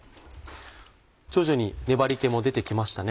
徐々に粘り気も出てきましたね。